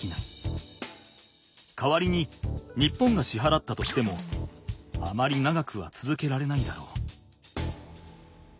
代わりに日本がしはらったとしてもあまり長くはつづけられないだろう。